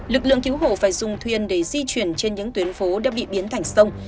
lực lượng cứu hộ phải dùng thuyền để di chuyển trên những tuyến phố đã bị biến thành sông